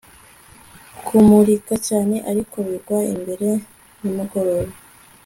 kumurika cyane, ariko bigwa mbere nimugoroba